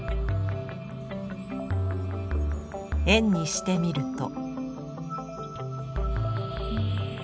円にしてみると？